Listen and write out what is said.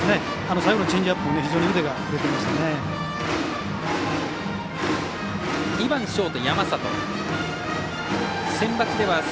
最後のチェンジアップ非常に腕が振れてました。